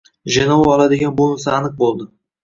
“Jenoa” oladigan bonuslar aniq bo‘ldi